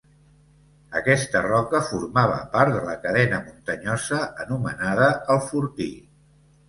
Aquesta roca formava part de la cadena muntanyosa, anomenada, el Fortí.